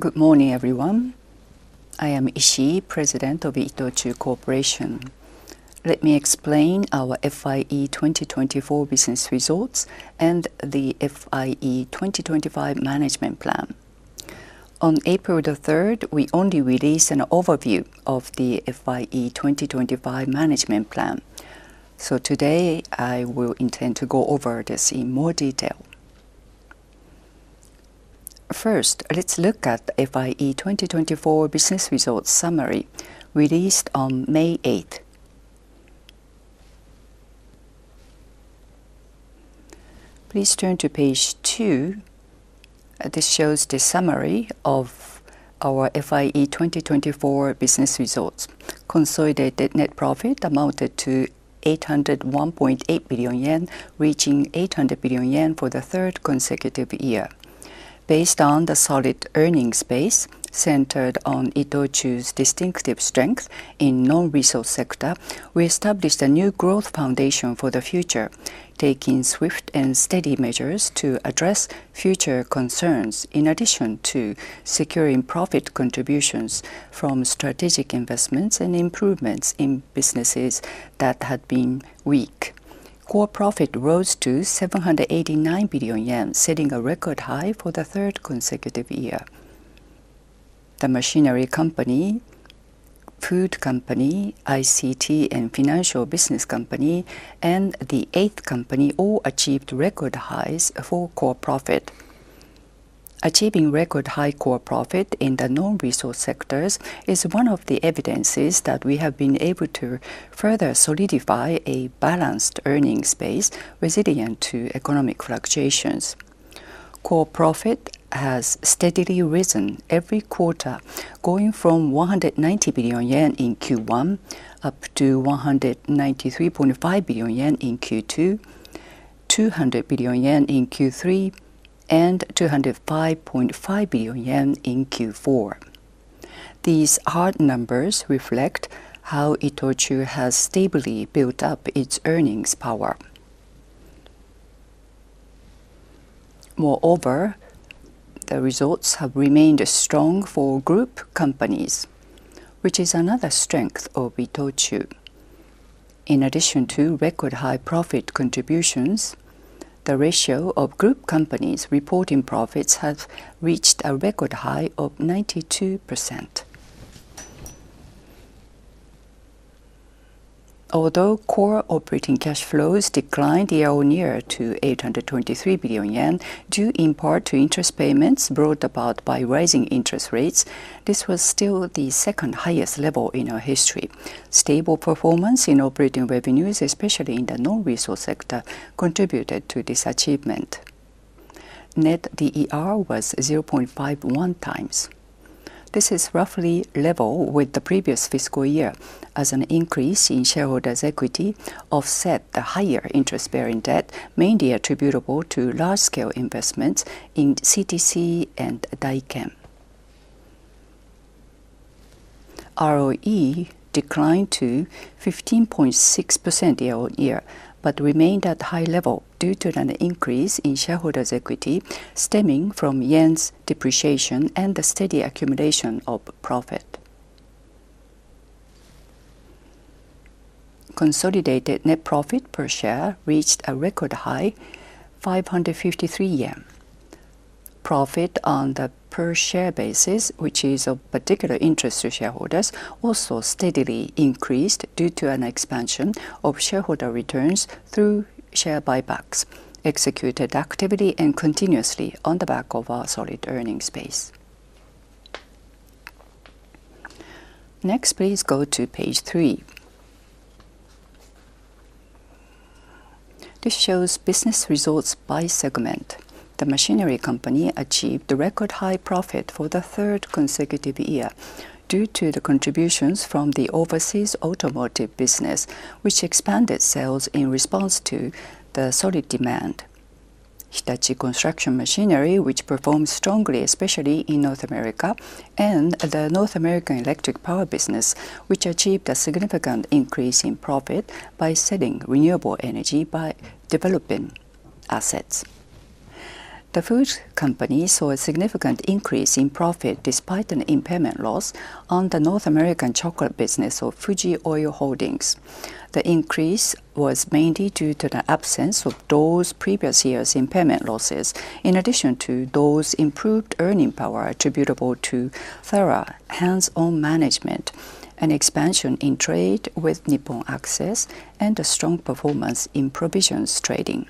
Good morning, everyone. I am Ishii, President of ITOCHU Corporation. Let me explain our FYE 2024 business results and the FYE 2025 management plan. On April 3, we only released an overview of the FYE 2025 management plan, so today I will intend to go over this in more detail. First, let's look at FYE 2024 business results summary, released on May 8. Please turn to page 2. This shows the summary of our FYE 2024 business results. Consolidated net profit amounted to 801.8 billion yen, reaching 800 billion yen for the third consecutive year. Based on the solid earnings base, centered on ITOCHU's distinctive strength in non-resource sector, we established a new growth foundation for the future, taking swift and steady measures to address future concerns, in addition to securing profit contributions from strategic investments and improvements in businesses that had been weak. Core Profit rose to 789 billion yen, setting a record high for the third consecutive year. The Machinery Company, Food Company, ICT and Financial Business Company, and the 8th Company all achieved record highs for Core Profit. Achieving record high Core Profit in the non-resource sectors is one of the evidences that we have been able to further solidify a balanced earnings base, resilient to economic fluctuations. Core profit has steadily risen every quarter, going from 190 billion yen in Q1, up to 193.5 billion yen in Q2, 200 billion yen in Q3, and 205.5 billion yen in Q4. These hard numbers reflect how ITOCHU has stably built up its earnings power. Moreover, the results have remained strong for group companies, which is another strength of ITOCHU. In addition to record high profit contributions, the ratio of group companies reporting profits has reached a record high of 92%. Although core operating cash flows declined year-on-year to 823 billion yen, due in part to interest payments brought about by rising interest rates, this was still the second highest level in our history. Stable performance in operating revenues, especially in the non-resource sector, contributed to this achievement. Net DER was 0.51 times. This is roughly level with the previous fiscal year, as an increase in shareholders' equity offset the higher interest-bearing debt, mainly attributable to large-scale investments in CTC and DAIKEN. ROE declined to 15.6% year-on-year, but remained at high level due to an increase in shareholders' equity, stemming from yen's depreciation and the steady accumulation of profit. Consolidated net profit per share reached a record high, 553 yen. Profit on the per share basis, which is of particular interest to shareholders, also steadily increased due to an expansion of shareholder returns through share buybacks, executed actively and continuously on the back of our solid earnings base. Next, please go to page 3. This shows business results by segment. The Machinery Company achieved a record high profit for the third consecutive year due to the contributions from the overseas automotive business, which expanded sales in response to the solid demand. Hitachi Construction Machinery, which performed strongly, especially in North America, and the North American electric power business, which achieved a significant increase in profit by selling renewable energy, by developing assets. The Food Company saw a significant increase in profit despite an impairment loss on the North American chocolate business of Fuji Oil Holdings. The increase was mainly due to the absence of those previous year's impairment losses, in addition to those improved earning power attributable to thorough hands-on management and expansion in trade with Nippon Access, and a strong performance in provisions trading.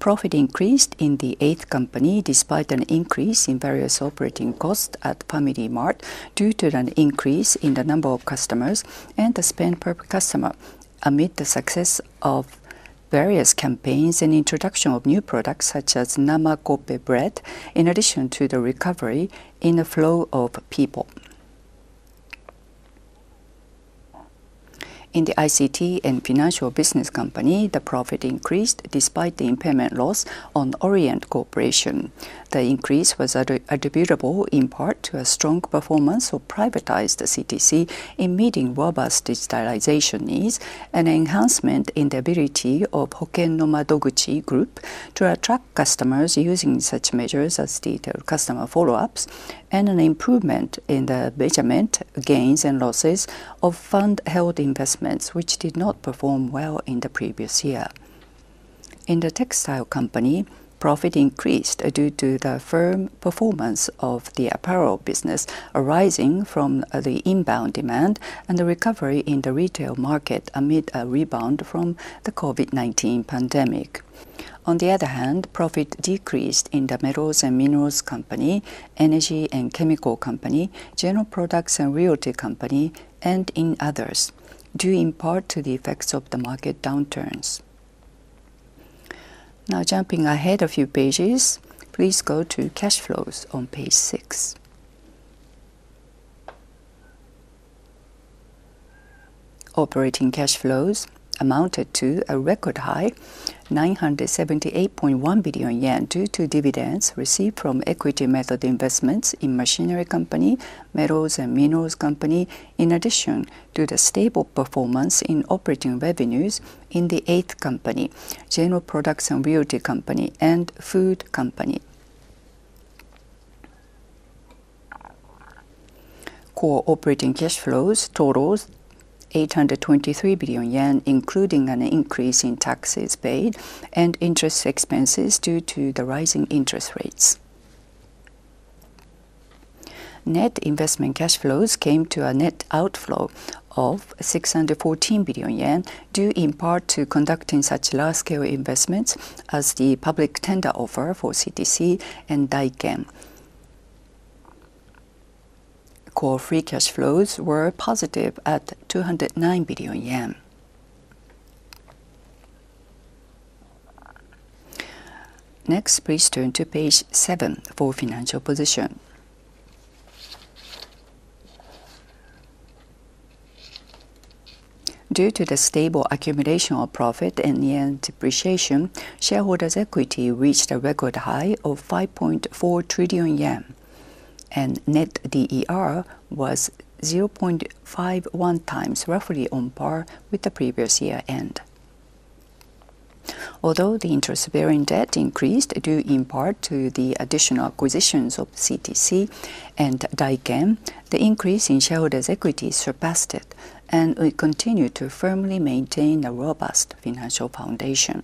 Profit increased in the 8th Company, despite an increase in various operating costs at FamilyMart, due to an increase in the number of customers and the spend per customer, amid the success of various campaigns and introduction of new products, such as Nama Koppe bread, in addition to the recovery in the flow of people. In the ICT and Financial Business Company, the profit increased despite the impairment loss on Orient Corporation. The increase was attributable in part to a strong performance of privatized CTC in meeting robust digitalization needs, and enhancement in the ability of Hoken no Madoguchi Group to attract customers using such measures as detailed customer follow-ups, and an improvement in the measurement, gains, and losses of fund-held investments, which did not perform well in the previous year. In the Textile Company, profit increased due to the firm performance of the apparel business, arising from the inbound demand and the recovery in the retail market amid a rebound from the COVID-19 pandemic. On the other hand, profit decreased in the Metals and Minerals Company, Energy and Chemical Company, General Products and Realty Company, and in Others, due in part to the effects of the market downturns. Now, jumping ahead a few pages, please go to Cash Flows on page six. Operating cash flows amounted to a record high, 978.1 billion yen, due to dividends received from equity method investments in Machinery Company, Metals and Minerals Company, in addition to the stable performance in operating revenues in the 8th Company, General Products and Realty Company, and Food Company. Core operating cash flows totals 823 billion yen, including an increase in taxes paid and interest expenses due to the rising interest rates. Net investment cash flows came to a net outflow of 614 billion yen, due in part to conducting such large-scale investments as the public tender offer for CTC and Daiken. Core free cash flows were positive at 209 billion yen. Next, please turn to page 7 for financial position. Due to the stable accumulation of profit and yen depreciation, shareholders' equity reached a record high of 5.4 trillion yen, and net DER was 0.51 times, roughly on par with the previous year-end. Although the interest-bearing debt increased, due in part to the additional acquisitions of CTC and Daiken, the increase in shareholders' equity surpassed it, and we continue to firmly maintain a robust financial foundation.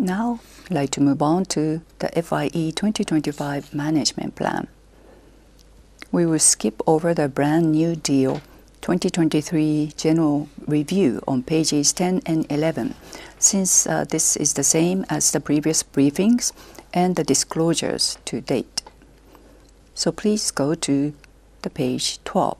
Now, I'd like to move on to the FYE 2025 management plan. We will skip over the Brand New Deal 2023 general review on pages 10 and 11, since this is the same as the previous briefings and the disclosures to date. So please go to page 12.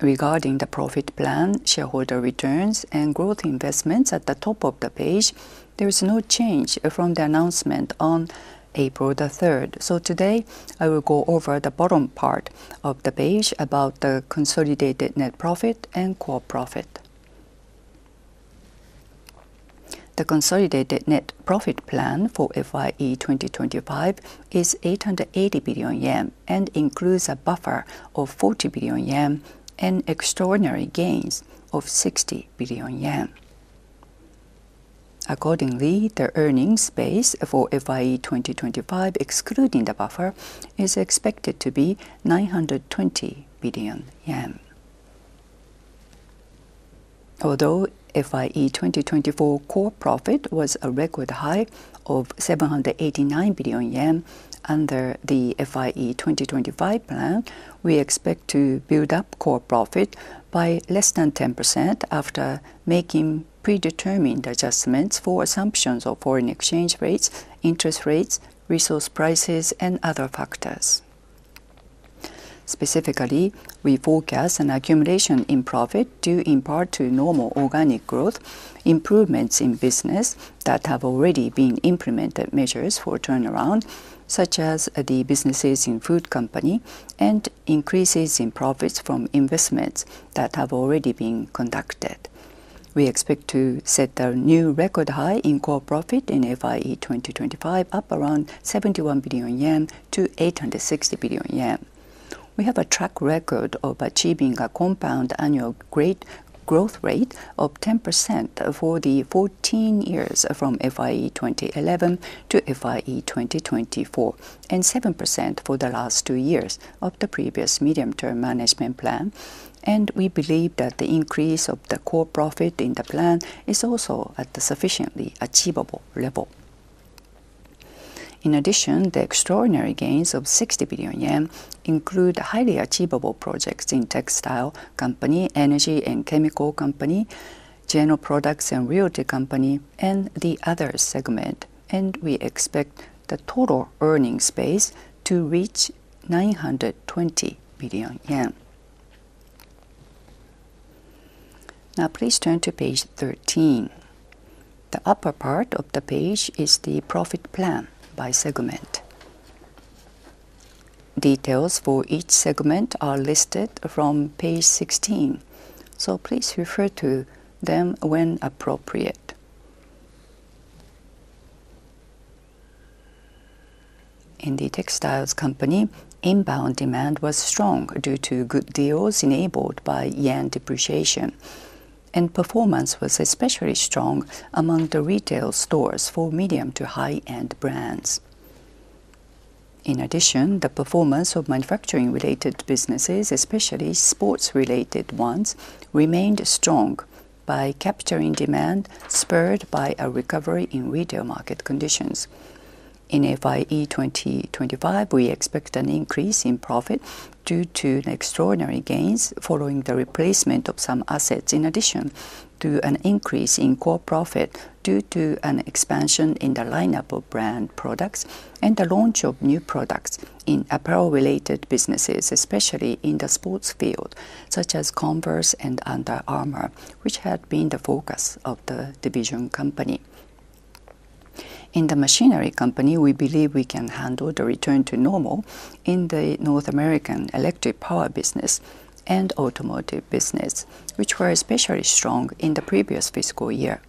Regarding the profit plan, shareholder returns, and growth investments at the top of the page, there is no change from the announcement on April the 3rd. Today, I will go over the bottom part of the page about the consolidated net profit and core profit. The consolidated net profit plan for FYE 2025 is 880 billion yen and includes a buffer of 40 billion yen and extraordinary gains of 60 billion yen. Accordingly, the earnings base for FYE 2025, excluding the buffer, is expected to be 920 billion yen. Although FYE 2024 core profit was a record high of 789 billion yen, under the FYE 2025 plan, we expect to build up core profit by less than 10% after making predetermined adjustments for assumptions of foreign exchange rates, interest rates, resource prices, and other factors. Specifically, we forecast an accumulation in profit due in part to normal organic growth, improvements in business that have already been implemented, measures for turnaround, such as the businesses in Food Company, and increases in profits from investments that have already been conducted. We expect to set a new record high in core profit in FYE 2025, up around 71 billion yen to 860 billion yen. We have a track record of achieving a compound annual great growth rate of 10% for the 14 years from FYE 2011 to FYE 2024, and 7% for the last two years of the previous medium-term management plan, and we believe that the increase of the core profit in the plan is also at the sufficiently achievable level. In addition, the extraordinary gains of 60 billion yen include highly achievable projects in Textile Company, Energy and Chemical Company, General Products and Realty Company, and the Other segment, and we expect the total earnings base to reach JPY 920 billion. Now, please turn to page 13. The upper part of the page is the profit plan by segment. Details for each segment are listed from page 16, so please refer to them when appropriate. In the Textile Company, inbound demand was strong due to good deals enabled by yen depreciation, and performance was especially strong among the retail stores for medium to high-end brands.... In addition, the performance of manufacturing-related businesses, especially sports-related ones, remained strong by capturing demand spurred by a recovery in retail market conditions. In FYE 2025, we expect an increase in profit due to extraordinary gains following the replacement of some assets, in addition to an increase in core profit due to an expansion in the lineup of brand products and the launch of new products in apparel-related businesses, especially in the sports field, such as Converse and Under Armour, which had been the focus of the division company. In the Machinery Company, we believe we can handle the return to normal in the North American electric power business and automotive business, which were especially strong in the previous fiscal year.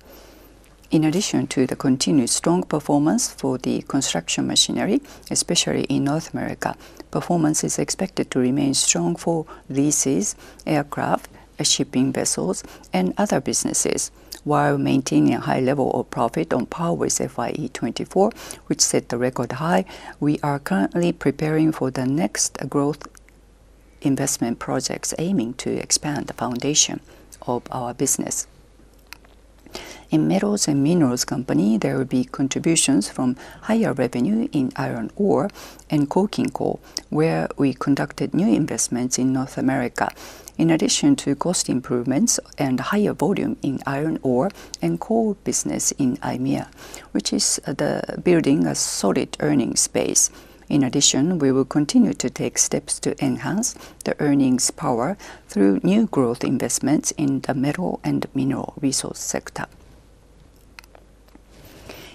In addition to the continued strong performance for the construction machinery, especially in North America, performance is expected to remain strong for leases, aircraft, shipping vessels, and other businesses, while maintaining a high level of profit on par with FYE 2024, which set the record high. We are currently preparing for the next growth investment projects, aiming to expand the foundation of our business. In Metals and Minerals company, there will be contributions from higher revenue in iron ore and coking coal, where we conducted new investments in North America, in addition to cost improvements and higher volume in iron ore and coal business in EMEA, which is building a solid earnings base. In addition, we will continue to take steps to enhance the earnings power through new growth investments in the metal and mineral resource sector.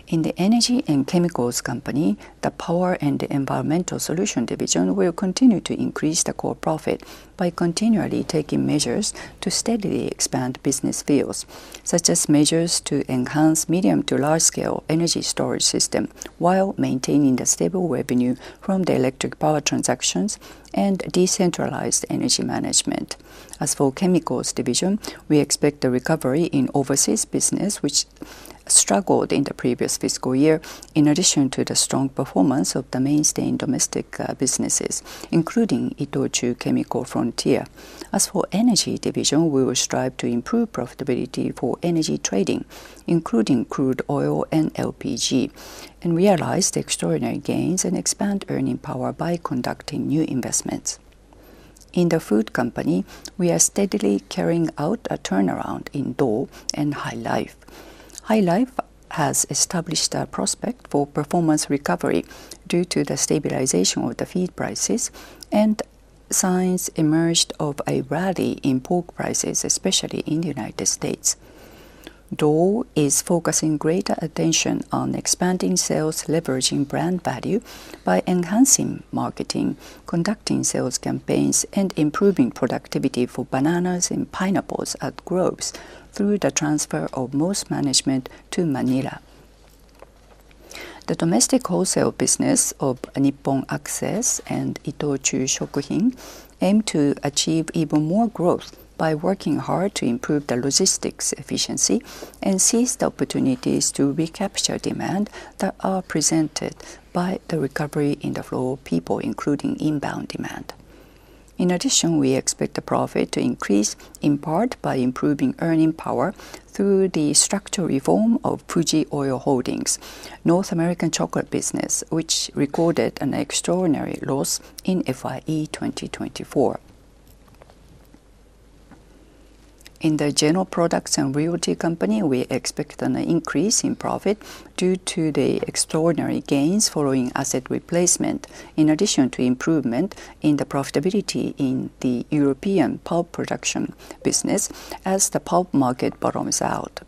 In the Energy and Chemicals company, the Power and Environmental Solution division will continue to increase the Core Profit by continually taking measures to steadily expand business fields, such as measures to enhance medium to large-scale energy storage system, while maintaining the stable revenue from the electric power transactions and decentralized energy management. As for Chemicals Division, we expect a recovery in overseas business, which struggled in the previous fiscal year, in addition to the strong performance of the mainstay in domestic businesses, including ITOCHU Chemical Frontier. As for Energy Division, we will strive to improve profitability for energy trading, including crude oil and LPG, and realize the extraordinary gains and expand earning power by conducting new investments. In the Food Company, we are steadily carrying out a turnaround in Dole and HyLife. HyLife has established a prospect for performance recovery due to the stabilization of the feed prices, and signs emerged of a rally in pork prices, especially in the United States. Dole is focusing greater attention on expanding sales, leveraging brand value by enhancing marketing, conducting sales campaigns, and improving productivity for bananas and pineapples at groves through the transfer of most management to Manila. The domestic wholesale business of Nippon Access and ITOCHU Shokuhin aim to achieve even more growth by working hard to improve the logistics efficiency and seize the opportunities to recapture demand that are presented by the recovery in the flow of people, including inbound demand. In addition, we expect the profit to increase in part by improving earning power through the structural reform of Fuji Oil Holdings' North American chocolate business, which recorded an extraordinary loss in FYE 2024. In the General Products and realty company, we expect an increase in profit due to the extraordinary gains following asset replacement, in addition to improvement in the profitability in the European pulp production business as the pulp market bottoms out.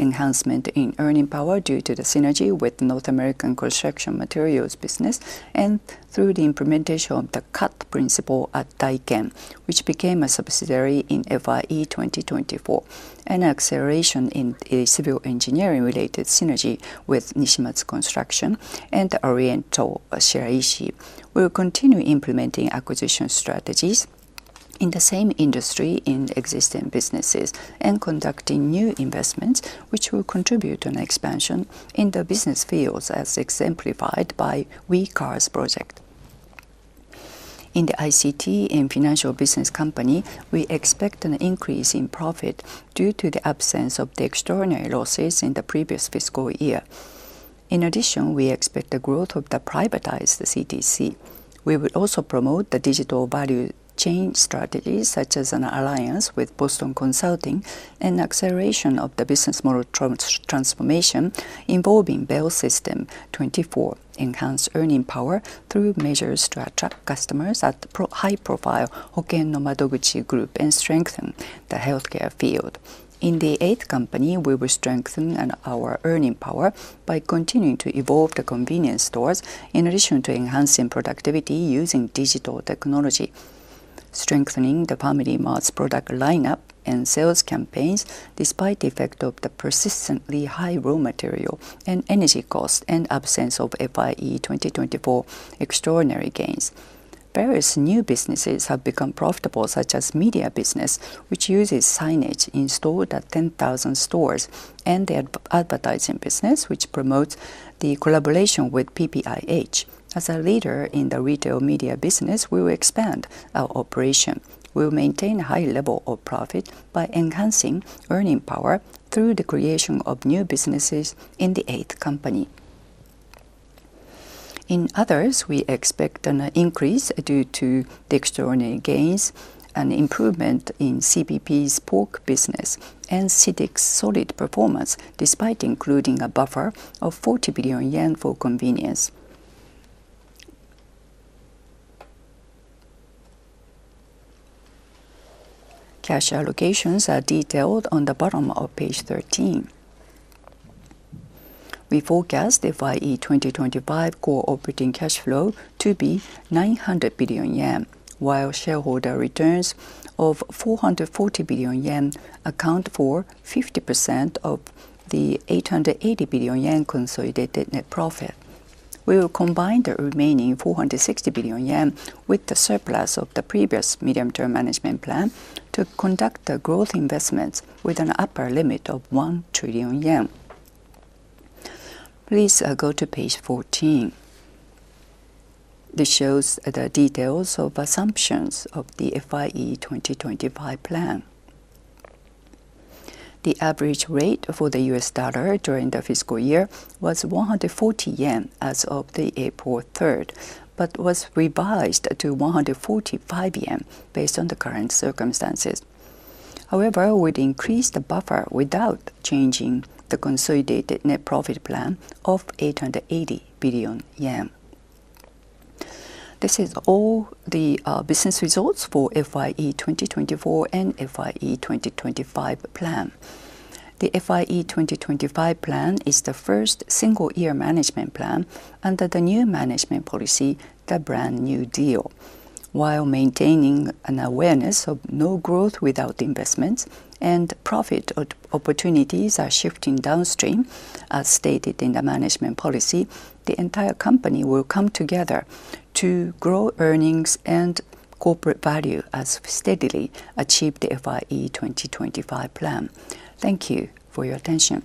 Enhancement in earning power due to the synergy with North American construction materials business and through the implementation of the cut principle at Daiken, which became a subsidiary in FYE 2024, and acceleration in a civil engineering-related synergy with Nishimatsu Construction and Oriental Shiraishi. We will continue implementing acquisition strategies in the same industry in existing businesses and conducting new investments, which will contribute to an expansion in the business fields, as exemplified by WECARS project. In the ICT and financial business company, we expect an increase in profit due to the absence of the extraordinary losses in the previous fiscal year. In addition, we expect the growth of the privatized CTC. We will also promote the digital value chain strategies, such as an alliance with Boston Consulting Group, and acceleration of the business model transformation involving Bell System 24, enhanced earning power through measures to attract customers at high-profile Hoken no Madoguchi Group, and strengthen the healthcare field. In the 8th company, we will strengthen our earning power by continuing to evolve the convenience stores, in addition to enhancing productivity using digital technology, strengthening the FamilyMart's product lineup and sales campaigns, despite the effect of the persistently high raw material and energy costs and absence of FYE 2024 extraordinary gains. Various new businesses have become profitable, such as media business, which uses signage installed at 10,000 stores, and the advertising business, which promotes the collaboration with PPIH. As a leader in the retail media business, we will expand our operation. We'll maintain a high level of profit by enhancing earning power through the creation of new businesses in the 8th company. In others, we expect an increase due to the extraordinary gains and improvement in CPP's pork business and CITIC's solid performance, despite including a buffer of 40 billion yen for convenience. Cash allocations are detailed on the bottom of page 13. We forecast the FY2025 core operating cash flow to be 900 billion yen, while shareholder returns of 440 billion yen account for 50% of the 880 billion yen consolidated net profit. We will combine the remaining 460 billion yen with the surplus of the previous medium-term management plan to conduct the growth investments with an upper limit of 1 trillion yen. Please go to page 14. This shows the details of assumptions of the FY2025 plan. The average rate for the US dollar during the fiscal year was 140 yen as of April 3, but was revised to 145 yen based on the current circumstances. However, we'd increase the buffer without changing the consolidated net profit plan of 880 billion yen. This is all the business results for FY2024 and FY2025 plan. The FY2025 plan is the first single-year management plan under the new management policy, the Brand New Deal. While maintaining an awareness of no growth without investments and profit opportunities are shifting downstream, as stated in the management policy, the entire company will come together to grow earnings and corporate value as we steadily achieve the FY2025 plan. Thank you for your attention.